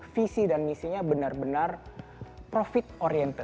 visi dan misinya benar benar profit oriented